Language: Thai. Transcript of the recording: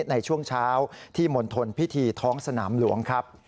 ในช่วงเช้าที่มณฑลพิธีท้องสนามหลวงครับ